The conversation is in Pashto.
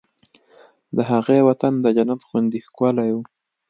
د هغه وطن د جنت غوندې ښکلی و